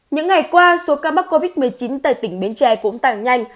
những ngày qua số ca mắc covid một mươi chín tại tỉnh bến tre cũng tăng nhanh